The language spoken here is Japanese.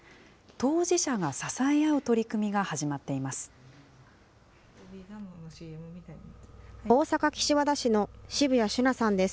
当事者が支え合う取り組みが始まっています。